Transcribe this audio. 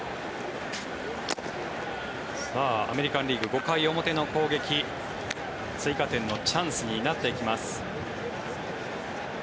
アメリカン・リーグ５回表の攻撃追加点のチャンスになっていきます。